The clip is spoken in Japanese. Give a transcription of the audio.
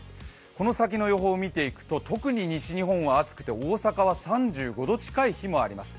この先の予報を見ていくと、特に西日本は暑くて大阪は３５度近い日もあります。